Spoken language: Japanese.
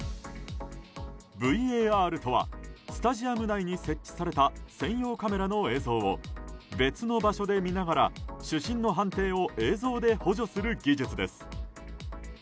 ＶＡＲとはスタジアム内に設置された専用カメラの映像を別の場所で見ながら主審の判定を映像で補助する技術です。